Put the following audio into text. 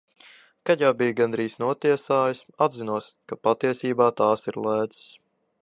Kad jau bija gandrīz notiesājis, atzinos, ka patiesībā tās ir lēcas.